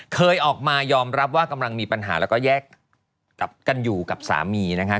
เคยออกมายอมรับว่ากำลังมีปัญหาแล้วก็แยกกันอยู่กับสามีนะคะ